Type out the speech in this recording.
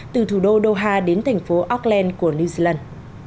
từ thủ đô doha đến thành phố auckland của new zealand